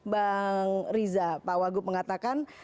bang rizak pak wagup mengatakan